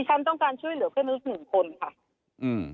ฉันต้องการช่วยเหลือเพื่อนมนุษย์หนึ่งคนค่ะอืม